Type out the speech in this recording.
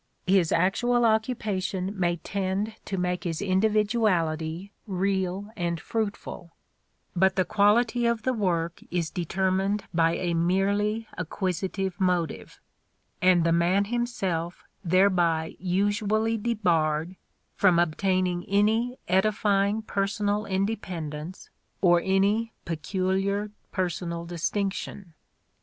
His actual occupation may tend to make his individuality real and fruitful; but the quality of the work is determined by a merely acquisitive motive, and the man himself thereby usually The Gilded Age 6i debarred from obtaining any edifying personal inde pendence or any peculiar personal distinction.